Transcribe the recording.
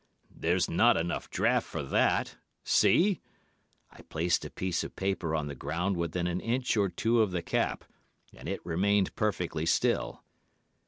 "'There's not enough draught for that. See!' I placed a piece of paper on the ground within an inch or two of the cap, and it remained perfectly still.